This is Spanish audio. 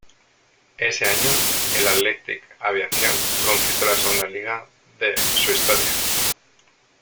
Ese año, el Athletic Aviación conquistó la segunda liga de su historia.